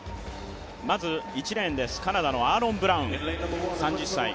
１レーン、カナダのアーロン・ブラウン、３０歳。